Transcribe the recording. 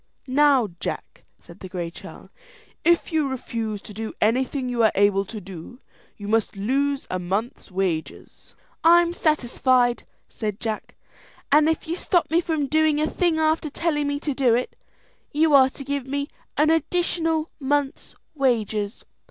"Now, Jack," said the Gray Churl, "if you refuse to do anything you are able to do, you must lose a month's wages." "I'm satisfied," said Jack; "and if you stop me from doing a thing after telling me to do it, you are to give me an additional month's wages."